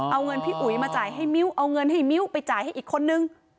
เอาเงินพี่อุ๋ยมาจ่ายให้มิ้วเอาเงินให้มิ้วไปจ่ายให้อีกคนนึง